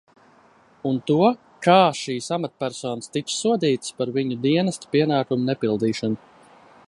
Un to, kā šīs amatpersonas tiks sodītas par viņu dienesta pienākumu nepildīšanu.